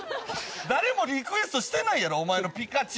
誰もリクエストしてないやろお前のピカチュウを。